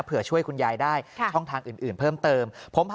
เผื่อช่วยคุณยายได้ช่องทางอื่นเพิ่มเติม